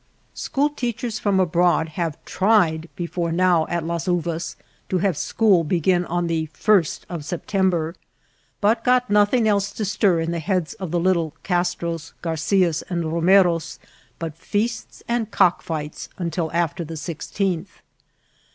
School teachers from abroad have tried before now at Las Uvas to have school begin on the first of September, but got nothins: else to stir in the heads of the little Castros, Garcias, and Romeros but feasts and cock fights until after the Sixteenth.